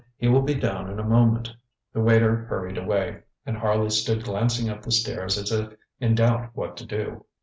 He will be down in a moment. ŌĆØ The waiter hurried away, and Harley stood glancing up the stairs as if in doubt what to do.